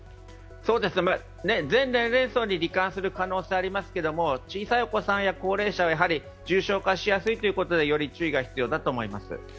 そうです、全年代層にり患する可能性がありますけど小さいお子さんや高齢者は重症化しやすいということでより注意が必要だと思います。